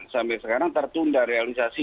sampai sekarang tertunda realisasi